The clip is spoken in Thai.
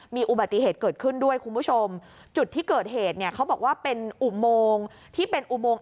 มีอุบัติเหตุเกิดขึ้นด้วยคุณผู้ชมจุดที่เกิดเหตุเนี่ยเขาบอกว่าเป็นอุโมงที่เป็นอุโมง